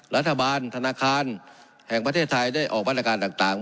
รัฐบาลธนาคารแห่งประเทศไทยได้ออกมาตรการต่าง